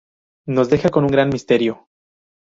Nos deja con un gran misterio.